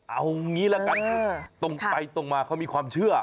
เอางี้ละกันตรงไปตรงมาเขามีความเชื่อ